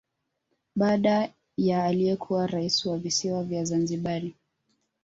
Baada ya aliyekuwa rais wa Visiwa vya Zanzibari